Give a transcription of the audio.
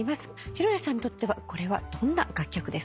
裕哉さんにとってはこれはどんな楽曲ですか？